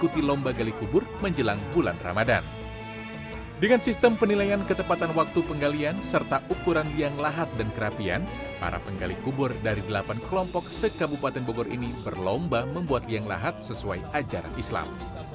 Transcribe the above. dari delapan kelompok sekabupaten bogor ini berlomba membuat liang lahat sesuai ajaran islam